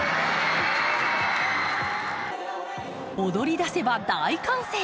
踊りだせば大歓声。